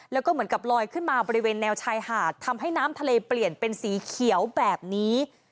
แล้วก็เหมือนกับลอยขึ้นมาบริเวณแนวชายหาดทำให้น้ำทะเลเปลี่ยนเป็นสีเขียวแบบนี้